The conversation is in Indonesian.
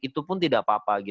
itu pun tidak apa apa